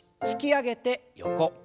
引き上げて横。